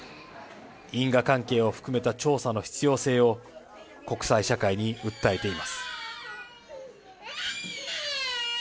因果関係を含めた調査の必要性を国際社会に訴えています。